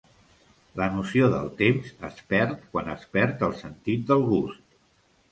La noció del temps es perd quan es perd el sentit del gust